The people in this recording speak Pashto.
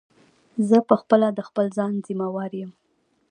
زه په خپله د خپل ځان ضیموار یم.